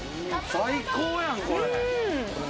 最高やん、これ！